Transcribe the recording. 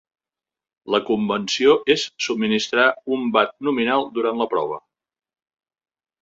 La convenció es subministrar un watt nominal durant la prova.